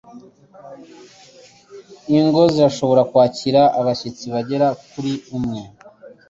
Ingo zirashobora kwakira abashyitsi bagera kuri umwe